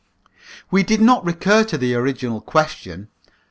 We did not recur to the original question.